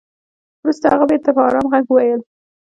وروسته هغه بېرته په ارام ږغ وويل.